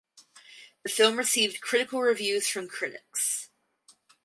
The film received critical reviews from critics.